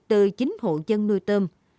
từ chính hộ dân nuôi tôm